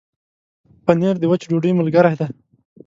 پنېر د وچې ډوډۍ ملګری دی.